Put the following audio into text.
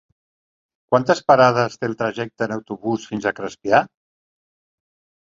Quantes parades té el trajecte en autobús fins a Crespià?